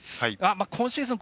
今シーズン